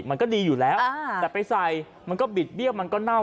มันก็ดีอยู่แล้วแต่ไปใส่มันก็บิดเบี้ยวมันก็เน่า